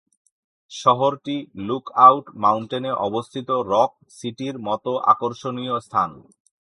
শহরটি লুকআউট মাউন্টেনে অবস্থিত, রক সিটির মতো আকর্ষণীয় স্থান।